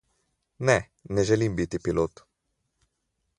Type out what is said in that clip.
Ne, ne želim biti pilot.